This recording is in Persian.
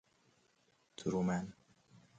ترومن